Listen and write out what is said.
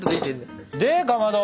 でかまど。